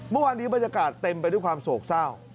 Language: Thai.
เมื่อวานดีบรรยากาศเต็มไปด้วยความโศกเศร้า